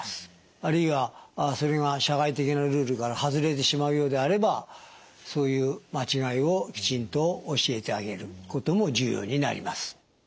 あるいはそれが社会的なルールからはずれてしまうようであればそういう間違いをきちんと教えてあげることも重要になります。